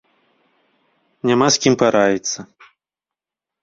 Няма з кім параіцца.